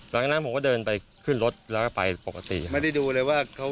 ก็เดินไปขื่นรถแล้วก็ไปปกติครับ